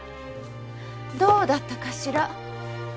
どうだったかしら。